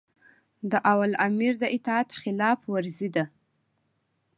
د اولوامر د اطاعت خلاف ورزي ده